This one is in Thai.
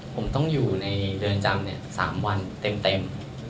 ผมต้องอยู่ในเรือนจำ๓วันเต็ม